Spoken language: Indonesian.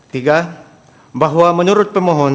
tiga bahwa menurut pemohon